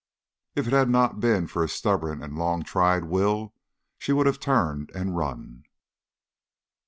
If it had not been for a stubborn and long tried will, she would have turned and run.